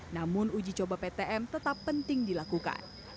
namun uji coba ptm tetap penting dilakukan